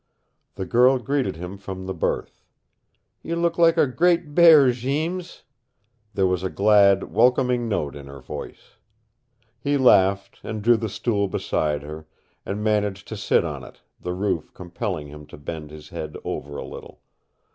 The girl greeted him from the berth. "You look like a great bear, Jeems." There was a glad, welcoming note in her voice. He laughed, and drew the stool beside her, and managed to sit on it, the roof compelling him to bend his head over a little.